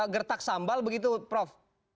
gertak sambal begitu prof